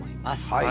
はい。